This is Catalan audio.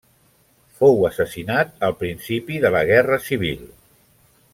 Fou assassinat al principi de la Guerra Civil.